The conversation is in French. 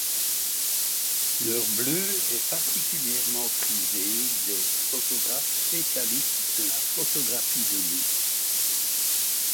L'heure bleue est particulièrement prisée des photographes spécialistes de la photographie de nuit.